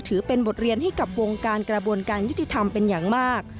ถือเป็นบทเรียนให้กับวงการกระบวนการยุติธรรมเป็นอย่างมาก